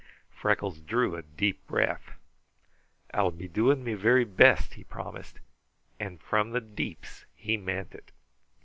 Freckles drew a deep breath. "I'll be doing me very best," he promised, and from the deeps he meant it.